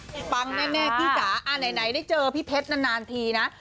เฮ่ยปั๊งแน่ขี้จ๋าอาหารได้เจอพี่เพชรนานทีนะ